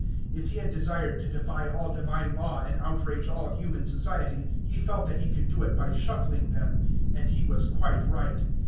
If he had desired to defy all Divine law and outrage all human society, he felt that he could do it by shuffling them. And he was quite right.